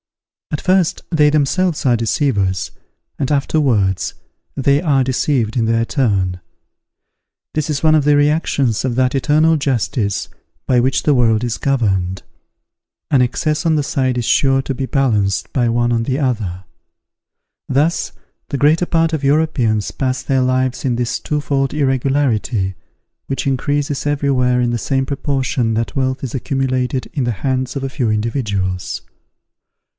At first, they themselves are deceivers: and afterwards, they are deceived in their turn. This is one of the reactions of that eternal justice, by which the world is governed; an excess on one side is sure to be balanced by one on the other. Thus, the greater part of Europeans pass their lives in this twofold irregularity, which increases everywhere in the same proportion that wealth is accumulated in the hands of a few individuals.